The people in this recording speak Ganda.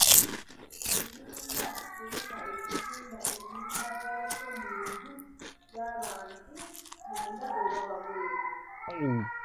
Ennumba kiwuka ekizimba ennyumba yaakyo mu nju z'abantu, munda oba wabweru.